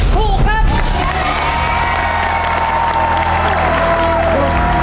ถูกครับ